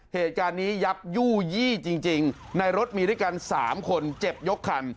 เหตุการณ์นี้ยับยู่ยี่จริงในรถมีด้วยกัน๓คนเจ็บยกคัน